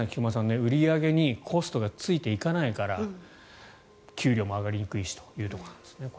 売り上げにコストがついていかないから給料も上がりにくいしというところなんですね。